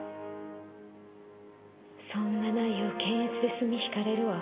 そんな内容検閲で墨引かれるわ。